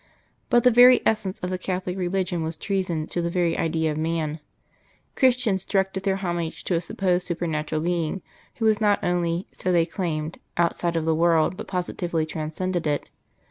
But the very essence of the Catholic Religion was treason to the very idea of man. Christians directed their homage to a supposed supernatural Being who was not only so they claimed outside of the world but positively transcended it.